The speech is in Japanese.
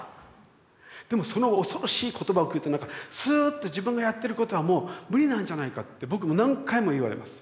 でもその恐ろしい言葉を聞くとなんかスーッと自分がやってることはもう無理なんじゃないかって僕も何回も言われます。